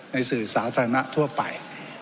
สื่อสาธารณะทั่วไป